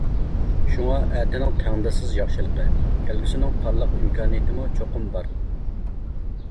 شۇڭا ئەتىنىڭ تەڭداشسىز ياخشىلىقى، كەلگۈسىنىڭ پارلاق ئىمكانىيىتىمۇ چوقۇم بار.